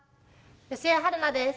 吉江晴菜です。